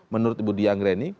menurut budi anggraini